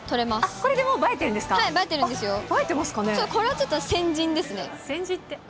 これはちょっとせんじんですね。